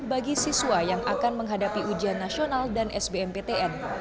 bagi siswa yang akan menghadapi ujian nasional dan sbmptn